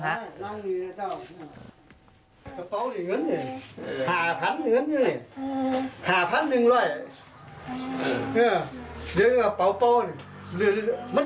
พระลงให้